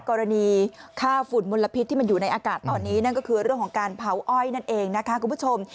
กรณีค่าฝุ่นมลพิษที่มันอยู่ในอากาศตอนนี้นั่นก็คือเรื่องของการเผาอ้อยนั่นเองนะคะคุณผู้ชม